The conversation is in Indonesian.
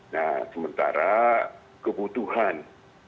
nah sementara kebutuhan